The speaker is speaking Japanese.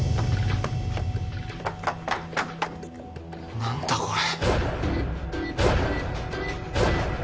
何だこれ。